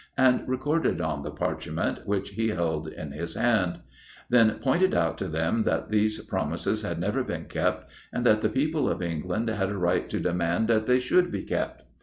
and recorded on the parchment which he held in his hand; then pointed out to them that these promises had never been kept, and that the people of England had a right to demand that they should be kept.